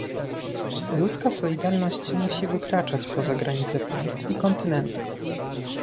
Ludzka solidarność musi wykraczać poza granice państw i kontynentów